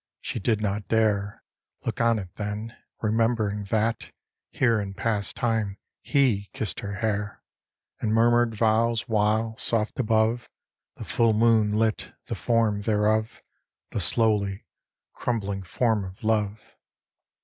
She did not dare Look on it then, remembering that Here in past time he kissed her hair, And murmured vows while, soft above, The full moon lit the form thereof, The slowly crumbling form of Love.